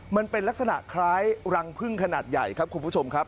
มันเป็นลักษณะคล้ายรังพึ่งขนาดใหญ่ครับคุณผู้ชมครับ